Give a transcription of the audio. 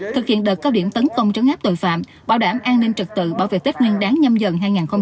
thực hiện đợt cao điểm tấn công trấn áp tội phạm bảo đảm an ninh trật tự bảo vệ tết nguyên đáng nhâm dần hai nghìn hai mươi bốn